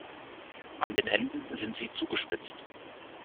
An den Enden sind sie zugespitzt.